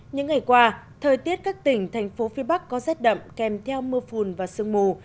những ngày qua thời tiết các tỉnh thành phố phía bắc có rét đậm kèm theo mưa phùn và sương mù